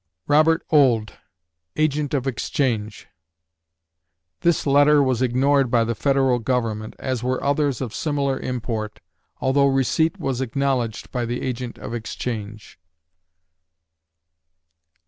ROBERT OULD (Agent of Exchange) This letter was ignored by the Federal Government, as were others of similar import, although receipt was acknowledged by the Agent of Exchange.